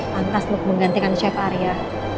pantas untuk menggantikan chef arya